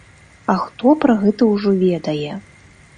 А хто пра гэта ўжо ведае?